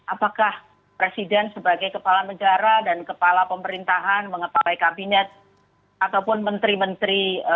apakah presiden sebagai kepala negara dan kepala pemerintahan mengepalai kabinet ataupun menteri menteri